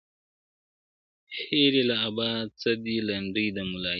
هېري له ابا څه دي لنډۍ د ملالیو-